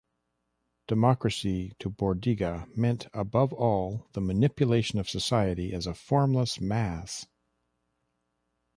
Democracy to Bordiga meant above all the manipulation of society as a formless mass.